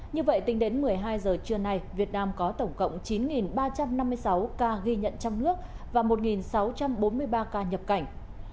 như vậy tính đến một mươi hai giờ trưa nay việt nam có tổng cộng chín ba trăm năm mươi sáu ca ghi nhận trong nước và một sáu trăm bốn mươi ba ca nhập cảnh